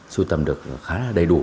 sưu tầm được khá là đầy đủ